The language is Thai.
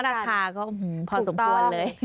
แต่ว่านาคาก็พอสมควรเลย